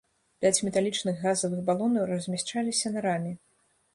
Пяць металічных газавых балонаў размяшчаліся на раме.